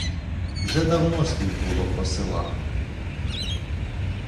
Вже давно слід було посилати.